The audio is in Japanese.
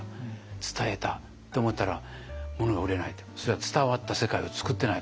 伝えたって思ったらものが売れないってそれは伝わった世界を作ってないからだと。